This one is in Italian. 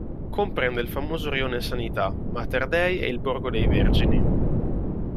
Comprende il famoso rione Sanità, Materdei e il borgo dei Vergini.